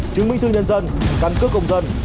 chứng minh thư nhân dân căn cước công dân